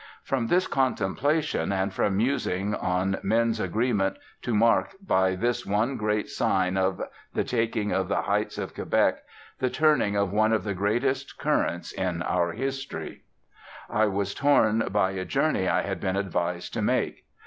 From this contemplation, and from musing on men's agreement to mark by this one great sign of the Taking of the Heights of Quebec, the turning of one of the greatest currents in our history, I was torn by a journey I had been advised to make.